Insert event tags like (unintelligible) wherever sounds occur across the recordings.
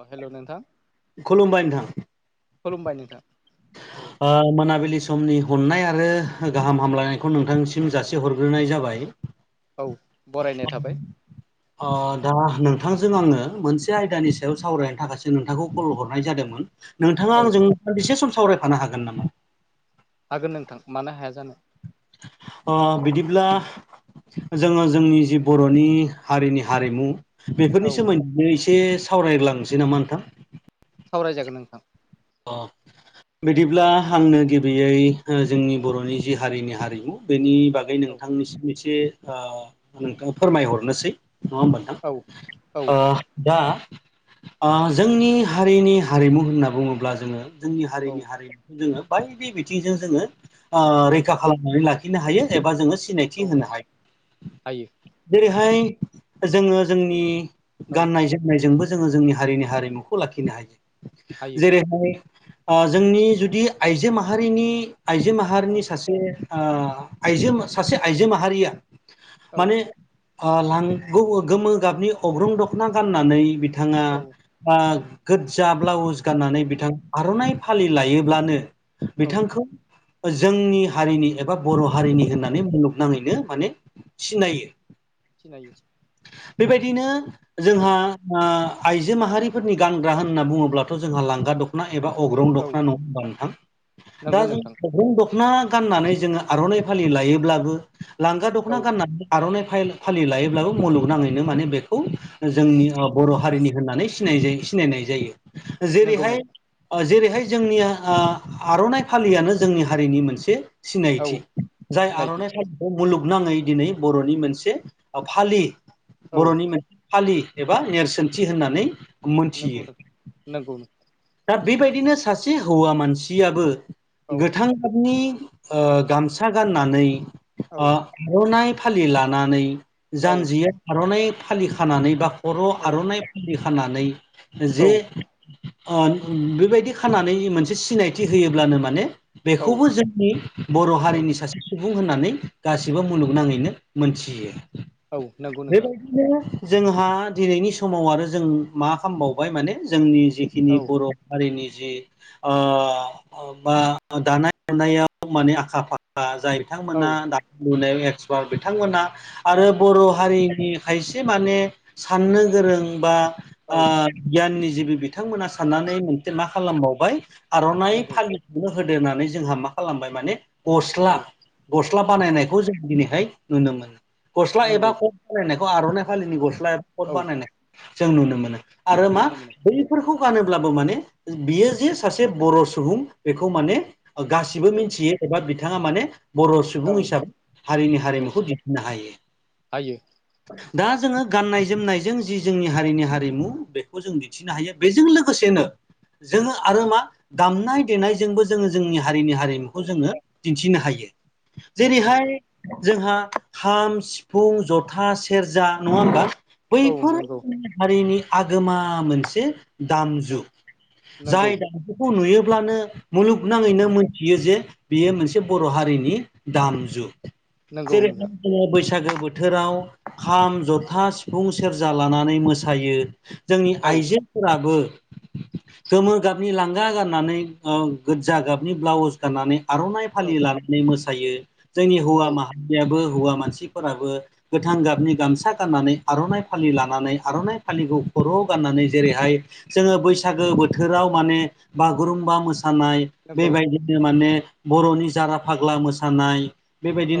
अ hello नोंथां खुलुमबाय नोंथां। खुलुमबाय नोंथां औ ओ मोनाबिलि समनि हमनाय आरो गाहाम हामलायनायखौ नोंथांसिम जासे हरग्रोनाय जाबाय औ बरायनाय थाबाय। ओ दा नोंथांजों आङो मोनसे आयदानि सायाव सावरायनो थाखायसो नोंथांखौ कल हरनाय जादोंमोन। नोंथाङा औ आंजों सान्दिसे सम सावरायफानो हागोन नामा? हागोन नोंथां मानो हाया जानो। अ बिदिब्ला जोङो जोंनि जि बर'नि हारिनि हारिमु औ बेफोरनि सोमोन्दै एसे सावरायलांनोसै नामा नोंथां। सावरायजागोन नोंथां। अ बिदिब्ला आंनो गिबियै ओ जोंनि बर'नि जि हारिनि हारिमु बेनि बागै औ नोंथांनिसिम मोनसे ओ नोंथाङा फोरमायहरनोसै नङा होमबा? औ औ (inaudible) ओ दा ओ जोंनि हारिनि हारिमु होनना बुङोब्ला जोङो जोंनि औ हारिनि हारिमुखौ जोङो बायदि बिथिंजों जोङो ओ औ रैखा खालामनानै लाखि खिनो हायो एबा जोङो सिनायथि औ होनो हायो हायो जेरैहाय जोङो जोंनि औ गाननायजों जोंबो जोङो जोंनि हारिनि हारिमुखौ लाखिनो हायो। हायो बेहाय ओ जोंनि जुदि आइजो माहारिनि आइजो औ माहारिनि सासे ओ आइजो सासे आइजो माहारिया औ माने अ लांगौ गोमो गाबनि अग्रं दखना गाननानै बिथाङा औ ओ गोज्जा ब्लाउस औ गाननानै बिथा आर'नाइ फालि लायोब्लानो औ बिथांखौ जोंनि हारिनि एबा बर' हारिनि औ होननानै मुलुग नाङैनो माने सिनायो। सिनायो। बेबायदिनो जोंहा औ ओ आइजो माहारिफोरनि गानग्रा होनना बुङोब्ला जोंहा लांगा दख'ना एबा अग्रं औ दख'ना नङाबा नोंथां दा नंगौ जों नोंथां अग्रं दख दख'ना गाननानै जोङो आर'नाइ फालि लायोब्लाबो लांगा औ दख'ना गाननानै (unintelligible) आर'नाइ फायल फालि लायोब्लाबो मुलुगनाङैनो माने बे खौ जोंनि ओ बर' हारिनि होननानै सिनाय जायो सिनायनाय जायो नंगौ जेरैहाय नोंथां ओ जेरैहाय जोंनि ओ आर'नाइ फालियानो जोंनि हारिनि मोनसे औ सिनायथि जाय सिनायथि आर'नाइ फालि बे मुलुगनाङै दिनै बर'नि मोनसे ओ फालि औ बर'नि मोन फालि एबा नेरसोनथि होननानै मोनथियो नोंगौ नोंगौ (unintelligible) दा बेबायदिनो सासे हौवा मानसियाबो औ गोथां गाबनि ओ गामसा गाननानै औ ओ आर'नाइ फालि लानानै औ जानजिया आर'नाइ फालि खानानै बा बर' आर'नाइ फुलि खानानै जे औ ओ बेबायदि खानानै मोनसे सिनायथि होयोब्लानो माने औ बेखौबो जोंनि बर' औ हारिनि सासे सुबुं होननानै गासिबो मुलुगनाङैनो मोनथियो। औ नंगौ नोंथां बेबायदिनो जोंहा दिनैनि समाव आरो जों मा खालामबावबाय माने जोंनि जि खिनि औ बर' हारिनि जि ओ बा दानाय लुनायाव माने आखा फाखा जायो। औ बिथांमोना दा लुनायाव एक्सपार्ट बिथांमोना आरो बर' औ हारिनि खायसे माने साननो गोरों बा औ ओ गियाननि जिबि बिथांमोना साननानै मोनसे मा खालामबावबाय आर'नाइ नंगौ फालि बेनो होदो होननानै जोंहा मा खालामबाय माने गस्ला औ गस्ला औ बानायनायखौ जों दिनैहाय नुनो मोनो। गस्ला एबा नंगौ खट बानायनायखौ आर'नाइ फालिनि औ गस्ला एबा खट औ बानायनायखौ जों नुनो मोनो। आरो मा? नुनो मोनो बैफोरखौ गानोब्लाबो माने बियो जे सासे बर' सुबुं बेखौ माने गासिबो औ मिथियो एबा बिथाङा माने बर' औ सुबुं हिसाबै हारिनि औ हारिमुखौ दिन्थिनो हायो। हायो दा जोंङो गाननाय जोमनायजों जि जोंनि हारिनि हारिमु बेखौ जों मिथिनो हायो बेजों लोगोसेनो जोंङो आरो मा दामनाय देनायजोंबो जोंङो जोंनि हारिनि हारिमु बेखौ औ जोंङो दिन्थिनो हायो। नंगौ जेरैहाय नोंथां जोंहा खाम सिफुं जथा सेरजा नङा होमबा। औ बैफोर नंगौ जोंनि हारिनि आगोमा मोनसे दामजु औ नंगौ जाय दामजुखौ नुयोब्लानो औ मुलुगनाङैनो मोनथियो जे बेयो मोनसे बर' हारिनि दामजु। नंगौ जेरै नोंथां जोंङो बैसागो बोथोराव खाम जथा सिफुं सेरजा लानानै मोसायो जोंनि औ आइजोफोराबो गोमो गाबनि लांगा गाननानै ओ गोजा गाबनि ब्लाउस गाननानै आर'नाइ औ फालि लानानै मोसायो जोंनि हौवा औ माहारियाबो हौवा मानसिफोराबो गोथां गाबनि गामसा गाननानै आर'नाइ फालि लानानै आर'नाइ फालिखौ खर'आव गाननानै जेरैहाय जोोङो बैसागो बोथोराव माने बागुरुम्बा मोसानाय नंगौ बेबायदि नो माने बर'नि जारा फाग्ला मोसानाय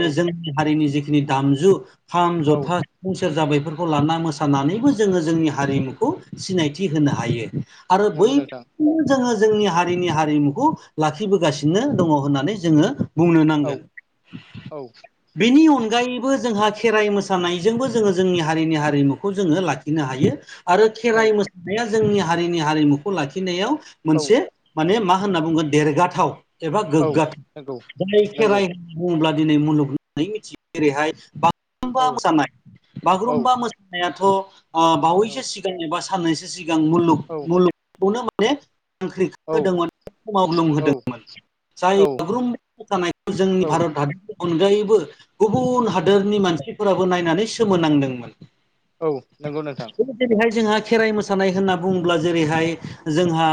औ जों हारिनि जिखिनि दामजु खाम औ जथा फुं सेरजा बैफोरखौ लाना मोसानानैबो जोंङो जोंनि हारिमुखौ सिनायथि होनो हायो। आरो बै नंगौ नोंथां जोंङो जोंनि हारिनि हारिमुखौ लाखिबोगासिनो दङ होननानै जोंङो बुंनो औ नांगोन। औ बेनि अनगायैबो जोंहा खेराइ मोसानायजोंबो जोंङो जोंनि हारिनि हारिमुखौ जोंङो लाखिनो हायो। आरो औ खेराइ मोसानाया जोंनि हारिनि हारिमुखौ लाखिनायाव औ मोनसे माने मा होनना बुंगोन देरगाथाव एबा औ गोग्गाथाव नंगौ जाय नंगौ खेराइ बुङोब्ला दिनै मुलुग होननानै मिथियो जेरैहाय बागुरुमबा औ मोसानाय औ बागुरुमबा मोसा नायाथ' ओ औ बावैसो सिगां एबा साननैसो सिगां मुलुग-मुलुग खौनो माने हांख्रिखा होदोंमोन औ मावग्लुंहदोंमोन। जाय बागुरुम्बा मोसानायखौ औ जोंनि भारत हादर अनगायैबो गुबुन औ हादोरनि मानसिफोराबो नायनानै सोमोनांदोंमोन। औ नंगौ नोंथां। जेरैहाय जोंहा खेराइ मोसानाय होनना बुङोब्ला जेरैहाय जोंहा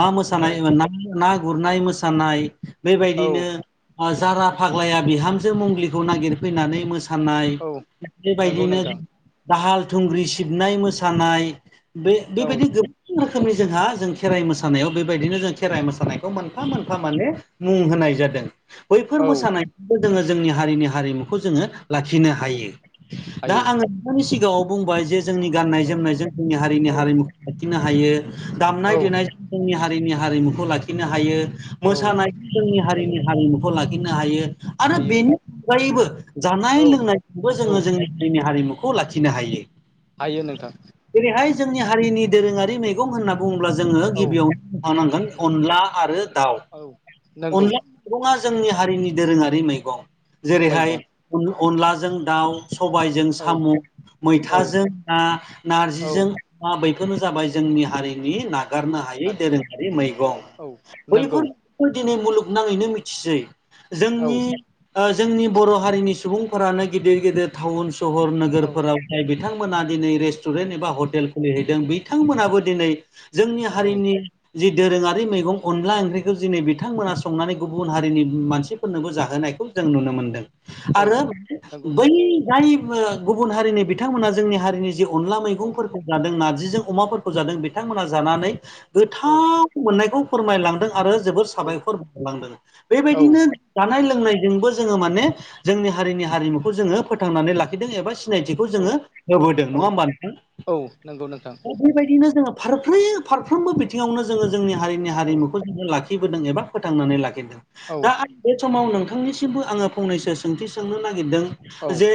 मा औ मोसानाय ना ना गुरनाय मोसानाय औ बेबायदिनो ओ जारा फाग्लाया बिहामजो मुंलिखौ नागिर फैनानै मोसा थाननाय औ नंगौ बेबायदिनो नोंथां दाहाल थुंग्रि सिबनाय मोसानाय औ बे-बेबायदि उम रोखोमनि जोंहा जों खेराइ मोसानायाव बेबायदिनो जों खेराइ मोसानायखौ मोनफा मोनफा माने मुं होनाय जादों बैफोर औ मोसानायखौबो जोङो जोंनि हारिनि हारिमुखौ जोङो लाखिनो औ हायो। दा हायो आङो बिथांनि सिगाङाव बुंबाय जे जोंनि गाननाय औ जोमनायजों जोंनि हारिनि औ हारिमुखौ लाखिनो हायो दामनाय औ देनाय जोंनि हारिनि हारिमुखौ लाखिनो हायो औ मोसानाय नंगौ जोंनि नोंथां हारिनि हारिमु खौ लाखिनो हायो आरो हायो बेनि अनगायैबो जानाय औ लोंनायखौबो औ जोङो जोनि जोंनि हारिमुखौ लाखिनो हायो। हायो नोंथां। जेरैयहाय जोंनि हारिनि दोरोंङारि मै मैगं होनना बुङोब्ला जोंङो औ गिबियावनो बुंखांनांगोन अनला आरो दाउ। नोंगौ। मैंगङा जोंनि हारिनि दोरोङारि मैगं। जेरैहाय मैगं अनलाजों दाउ। सबायजों औ साम' औ मैथाजों ना औ नारजिजों मा बैफोरनो जाबाय जोंनि हारिनि नागारनो हायै बि हागोन दोरोङारि औ नंगौ मैगं बै दिनै मुलुगनाङैनो मिथिसै औ जोंनि ओ जोंनि बर' हारिनि सुबुंफोरानो गिदिर गिदिर टाउन सहर औ नोगोरफोराव जाय बिथांमोना दिनै रेस्टुरेन्ट एबा औ हटेल खुलिहैदों बे बिथांमोनाबो दिनै जोंनि औ हारिनि जि दोरोङारि मैगं अनला ओंख्रिखौ दिनै बिथांमोना संनानै गुबुन हारिनि उम मानसि फोरनोबो जाहोनायखौ जों नुनो मोनदों। औ आरो नंगौ बै नोंथां जाय गुबुन हारिनि बिथांमोना जोंनि हारिनि जिउ अनला औ मैगंफोरखौ जादों नारजिजों अमाफोरखौ जादों बिथांमोना जानानै औ गोथाव मोननायखौ फोरमायलांदों आरो जोबोर औ साबायखर बायगर लांदों औ बेबायदिनो जानाय लोंनायजोंबो जोङो माने जोंनि हारिनि हारिमुखौ जोङो फोथांनानै लाखिदों एबा सिनायथिखौ औ जोङो होबोदों औ नङा होमबा नोंथां। औ नंगौ नोंथां बेबायदिनो जोङो फारफ्र फारफ्रोमबो बिथिङावनो जोङो जोंनि हारिनि औ हारिमुखौ जोङो लाखि बोदों एबा फोथांनानै लाखिदों औ दा आ बे समाव नोंथांनिसिमबो आङो फंनैसो सोंथि सोंनो नागिरदों औ जे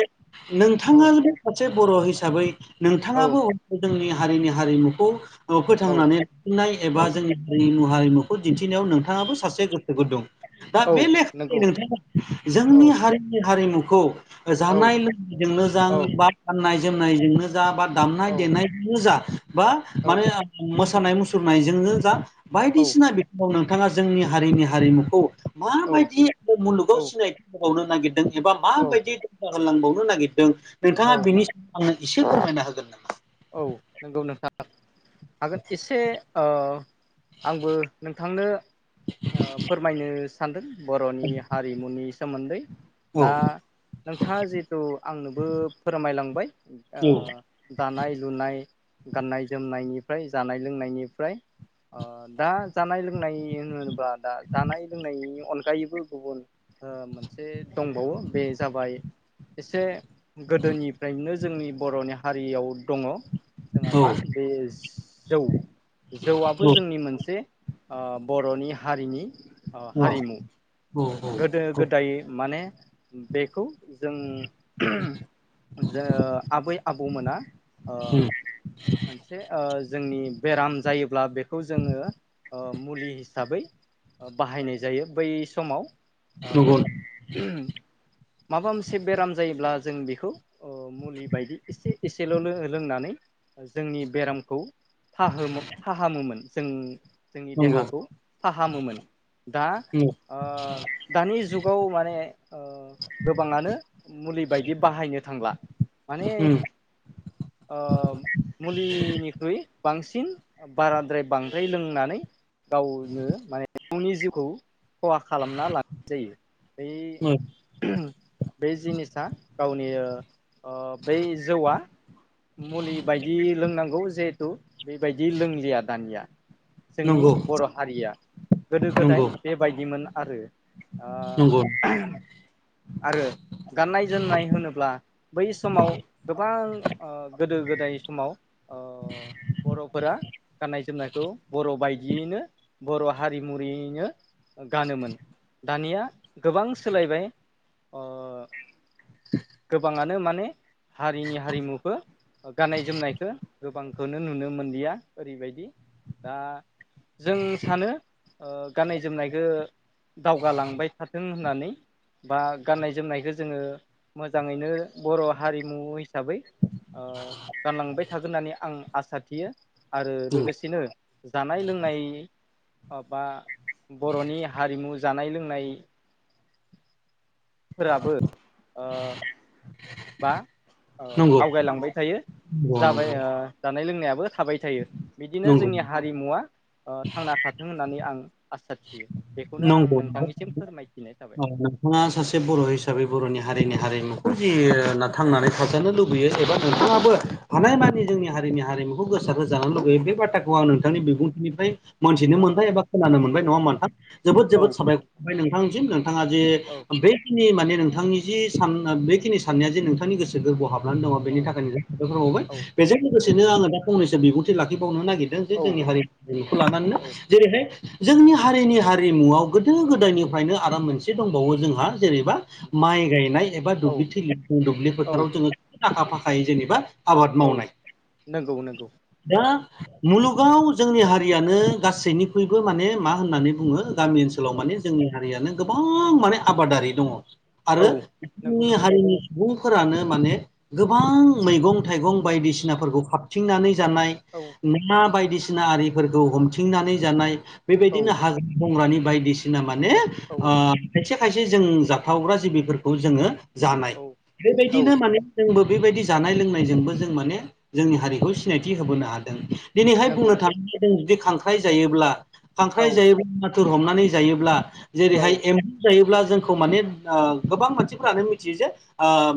औ नोंथाङाबाबो सासे बर' हिसाबै नोंथाङाबो जोंनि हारिनि हारिमुखौ ओ औ फोथांनानै लाफिननाय एबा जोंनि हारिम हारिमुखौ दिन्थिनायाव नोंथाङाबो सासे गोसो गुदुं दा औ बे लेखा नंगौ (unintelligible) नोंथाङा औ जोंनि हारिनि हारिमुखौ औ जानाय लोंनायजोंनो जा औ बा गाननाय जोमनायजोंनो जा बा दामनाय औ देनाय जा बा माने मोसानाय मुसुरनायजोंनो जा औ बायदिसिना नोंथाङा जोंनि हारिनि हारिमुखौ औ औ माबायदि मुलुगाव औ सिनायदों समावनो नागिरदों एबा माबायदि होलांबावनो नागिरदों औ नोंथाङा बिनि आंनो एसे फोरमायना होगोन नामा। औ नंगौ नोंथाङा हागोन एसे ओ आंबो नोंथांनो ओ फोरमायनो सानदों बर'नि हा रिमुनि सोमोन्दै। औ दा नोंथाङा जिहेथु आंनोबो फोरमायलांबाय ओ औ दानाय लुनाय गाननाय जोमनायनिफ्राय जानाय लोंनायनिफ्राय ओ दा जानाय लोंनाय होनोबा दा जानाय लोंनायनि अनगायैबो गुबुन ओ मोनसे दंबावो बे जाबाय एसे गोदोनिफ्रायनो जोंनि बर'नि हारियाव दङ जोंहा औ मा बे जौ जौआबो जोंनि मोनसे ओ बर'नि हारिनि ओ हारिमु औ औ गोदो गोदाय माने बेखौ जों जों आबै आबौमोना अ मोनसे ओ जोंनि बेराम जायोब्ला बेखौ जोङो मुलि हिसाबै ओ बाहायनाय जायो। बै समाव ओ नंगौ (unintelligible) माबा मोनसे बेराम जायोब्ला जों बेखौ ओ मुलि बायदि एसे एसेल' लों लोंनानै जोंनि बेरामखौ फाहोम-फाहामोमोन जों जोंनि नंगौ देहाखौ फाहामोमोन। दा दानि जुगाव माने ओ गोबाङानो मुलि बायदि बाहायनो थांला माने नंगौ ओ मुलिनिख्रुइ बांसिन बाराद्राय बांद्राय लोंनानै गावनो माने गावनि जिउखौ खहा खालामना लानाय जायो बै बे जिनिसा गावनि ओ ओ बै जौआ मुलि बायदि लोंनांगौ जिहेथु बेबायदि लोंलिया दानिया जोंनि नंगौ बर' हारिया गोदो गोदाय नंगौ बेबायदिमोन आरो आ नंगौ (unintelligible) आरो गाननाय-जोमनाय होनोब्ला बै समाव गोबां ओ गोदो गोदाय समाव ओ बर'फोरा गाननाय-जोमनायखौ बर' बायदियैनो बर' हारिमुरैयैनो गानोमोन दानिया गोबां सोलायबाय। गोबाङानो माने हारिनि हारिमुखो गाननाय-जोमनायखौ गोबांखौनो नुनो मोनलिया। ओरैबायदि दा जों सानो गाननाय-जोमनायखौ ओ दावगालांबाय थाथों होननानै। बा गाननाय-जोमनायखौ जोङो मोजाङैनो बर' हारिमु हिसाबै ओ गानलांबाय थागोन होननानै आं आसा थियो। आरो लोगोसेनो जानाय लोंनाय अ बा बर'नि हारिमु जानाय लोंनाय फोराबो ओ बा नंगौ आवगायलांबाय थायो। जाबाय नंगौ जानाय लोंनायाबो थाबाय थायो। बिदिनो नंगौ जोंनि हारिमुवा ओ थांना थाथों होननानै आं आसा थियो। बेखौनो आं नंगौ नंगौ नोंथांनिसिम फोरमायथिनाय थाबाय। औ नोंथाङा सासे बर' हिसाबै बर'नि हारिनि हारिमुखौ जि थांनानै थाजानो लुुबैयो एबा नोंथाङाबो हानायमानि जोंनि हारिनि हारिमुखौ गोसार होजानो लुगैयो बे बाथ्रा खौ आं नोंथांनि बिबुंथिनिफ्राय मोन्थिनो औ मोनबाय एबा खोनानो मोन बाय नङा औ होमबा नोंथां। जोबोद जोबोद साबायखर नोंथांनिसिम। नोंथाङा जे औ बेखिनि माने नोंथांनि जि सान बेखिनि साननाया जे नोंथांनि गोसो गोरबोआव हाबनानै दङ। बेनि औ थाखायनो साबायखर बावबाय औ बेजों औ लोगोसेनो आङो दा फंनैसो बिबुंथि लाखिबावनो नागिरदों जे औ जोंनि हारि बेखौ लानानैनो जेरैहाय जोंनि हारिनि हारिमुआव गोदो गोदायनिफ्रायनो आरो मोनसे दंबावो जोंहा जेनेबा माइ गायनाय एबा औ दुब्लिथिलि दुब्लि औ फोथाराव जोङो आखा फाखायै जेनेबा आबाद औ मावनाय। नंगौ नंगौ दा मुलुगाव जोंनि हारियानो गासैनिख्रुइबो माने मा होननानै बुङो गामि ओनसोलाव औ माने जोंनि हारियानो गोबां माने आबादारि दङ। औ आरो नंगौ जोंनि नोंथां हारिनि सुबुंफोरानो माने गोबां मैगं-थाइगं बायदिसिनाफोरखौ खाबथिंनानै जानाय औ। ना बायदिसिना आरिफोरखौ हमथिंनानै जानाय। बे औ बायदिनो हाग्रा बंग्रानि बायदिसिना माने औ खायसे खायसे जों जाथावग्रा जिबिफोरखौ जोङो जानाय औ बे औ बायदिनो माने जोंबो बे बायदि जानाय लोंनायजोंबो जों माने जोंनि हारिखौ सिनायथि होबोनो हादों। दिनैहाय नंगौ बुंनो नोंथां थाङोब्ला जों जुदि खांख्राइ जायोब्ला, औ खांख्राइ जायोब्ला थुर हमनानै जायोब्ला औ जेरैहाय एम बु जायोब्ला जोंखौ माने आ गोबां मानसिफोरानो मिथियो जे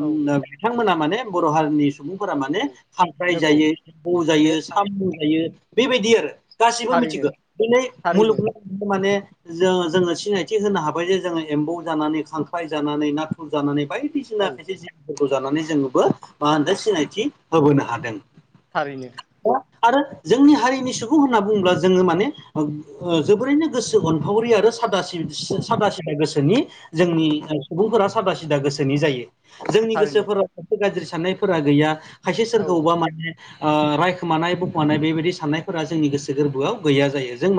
औ बिथांमोना माने बर' हारिनि सुबुंफोरा माने औ खांख्राय नंगौ जायो एम्बु जायो बे साम' थारैनो जायो बेबायदि आरो। गासिबो थारैनो मिथिगो दिनै थारैनो मुलुगनि माने जो जोङो सिनायथि होनो हाबाय जे जोङो एम्बौ जानानै खांख्राय जानानै नाथुर जानानै बाय दिसिना औ खायसे जिबफोरखौ जानानै जोङोबो मा होनदों सिनायथि होबोनो हादों। थारैनो। दा आरो जोंनि हारिनि सुबुं होनना बुङोब्ला जोङो माने ओ जोबोरैनो गोसो अनफावरि आरो सादा सि सि औ सादा सिदा गोसोनि औ जोंनि सुबुंफोरा सादा सिदा गोसोनि जायो। जोंनि थारैनो गोसोफोराव सासे गाज्रि साननायफोरा गैया खायसे औ सोरखौबा माने आ रायखोमानाय बखुमानाय बेबायदि साननायफोरा जोंनि गोसो गोरबोआव गैया जायो। जों मान